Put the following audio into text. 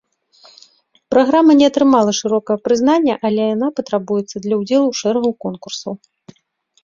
Праграма не атрымала шырокага прызнання, але яна патрабуецца для ўдзелу ў шэрагу конкурсаў.